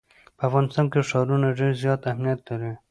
په افغانستان کې ښارونه ډېر زیات اهمیت لري.